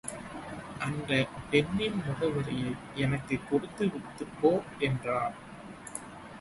அந்தப் பெண்ணின் முகவரியை எனக்குக் கொடுத்துவிட்டுப் போ என்றான்.